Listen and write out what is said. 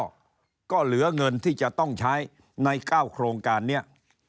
เกี่ยวก็เหลือเงินที่จะต้องใช้ใน๙โครงการเนี่ย